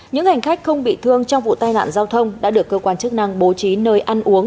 những hành khách không bị thương trong vụ tai nạn giao thông đã được cơ quan chức năng bố trí nơi ăn uống